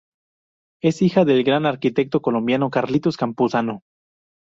Es hija del gran arquitecto colombiano Carlitos Campuzano.